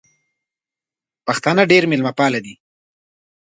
پښتانه ډېر مېلمه پال دي